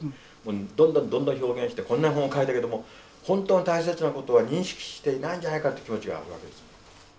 どんどんどんどん表現してこんなに本を書いたけども本当に大切なことは認識していないんじゃないかという気持ちがあるわけです。